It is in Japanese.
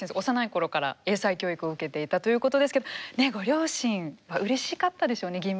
幼い頃から英才教育を受けていたということですけどご両親うれしかったでしょうね